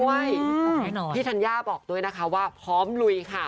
พี่ธัญญาบอกด้วยนะคะว่าพร้อมลุยค่ะ